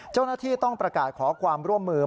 เจ้าหน้าที่ต้องประกาศขอความร่วมมือ